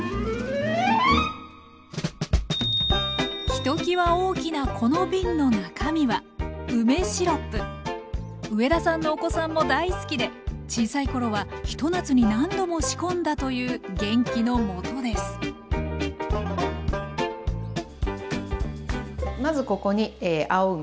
ひときわ大きなこの瓶の中身は上田さんのお子さんも大好きで小さい頃はひと夏に何度も仕込んだという元気のもとですまずここに青梅。